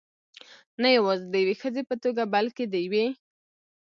نه یوازې د یوې ښځې په توګه، بلکې د یوې .